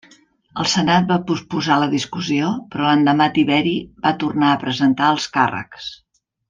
El senat va posposar la discussió però l'endemà Tiberi va tornar a presentar els càrrecs.